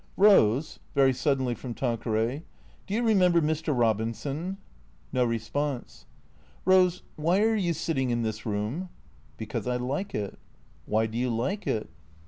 " Rose " (very suddenly from Tanqueray), " do you remember Mr. Robinson?" (No response.) " Rose, why are you sitting in this room ?"" Because I like it." "Why do you like it?"